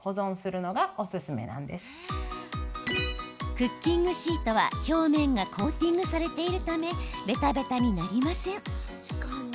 クッキングシートは、表面がコーティングされているためべたべたになりません。